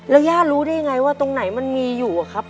แล้วย่ารู้ได้ยังไงว่าตรงไหนมันมีอยู่อะครับ